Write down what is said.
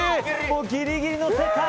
ギリギリの世界。